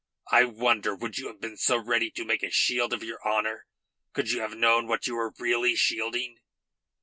I wonder would you have been so ready to make a shield of your honour could you have known what you were really shielding?"